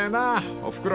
［おふくろ